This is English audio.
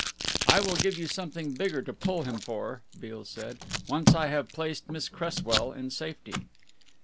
"I will give you something bigger to pull him for," Beale said, "once I have placed Miss Cresswell in safety."